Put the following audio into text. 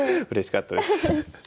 うれしかったです。